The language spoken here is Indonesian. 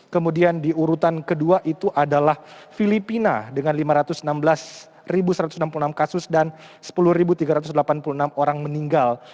kemudian di urutan kedua itu adalah filipina dengan lima ratus enam belas satu ratus enam puluh enam kasus dan sepuluh tiga ratus delapan puluh enam orang meninggal